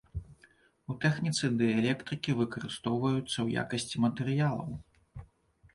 У тэхніцы дыэлектрыкі выкарыстоўваюцца ў якасці матэрыялаў.